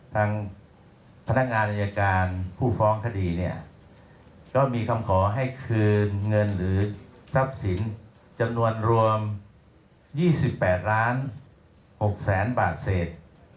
ทางพนักงานอายการผู้ฟ้องคดีเนี่ยก็มีคำขอให้คืนเงินหรือทรัพย์สินจำนวนรวม๒๘ล้าน๖แสนบาทเศษ